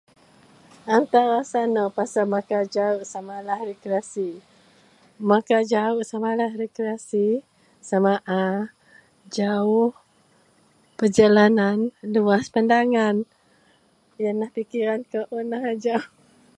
aan tan rasa nou pasal makau jauh samalah rekreasi, makau jauh samalah rekreasi, sama a jauh perjalanan luas pandangan, ienlah pikiran kou unlah ajau